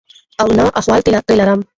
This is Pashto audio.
او نه احوال ترې لرم.